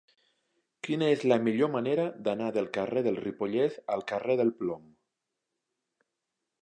Quina és la millor manera d'anar del carrer del Ripollès al carrer del Plom?